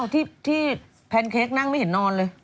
ที่แพนเค้กนั่งไม่เห็นนอนเลย